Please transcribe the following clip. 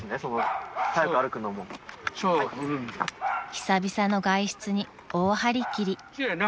［久々の外出に大張り切り］